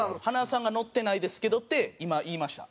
塙さんが「ノッてないですけど」って今言いました。